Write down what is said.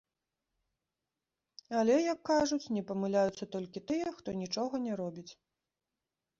Але, як кажуць, не памыляюцца толькі тыя, хто нічога не робіць.